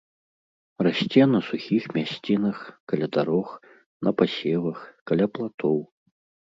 Расце на сухіх мясцінах, каля дарог, на пасевах, каля платоў.